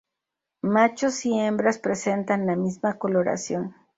Machos y hembras presentan la misma coloración.